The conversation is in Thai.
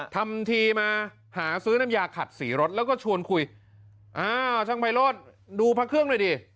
ทำทีมาหาซื้อน้ำยาขัดสีรถแล้วก็ชวนคุยอ้าวช่างไพโรธดูพระเครื่องหน่อยดิ